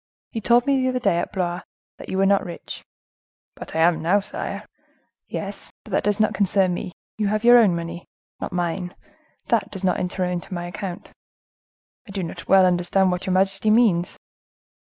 You told me the other day, at Blois, that you were not rich?" "But I am now, sire." "Yes, but that does not concern me; you have your own money, not mine; that does not enter into my account." "I do not well understand what your majesty means."